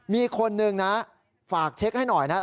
มีคนหนึ่งนะฝากเช็คให้หน่อยนะ